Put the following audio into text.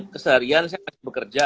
keseharian saya masih bekerja